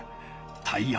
タイヤ。